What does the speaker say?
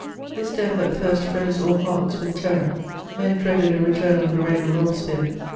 ] This death at first froze all hearts with terror; men dreaded a return of the reign of Robespierre.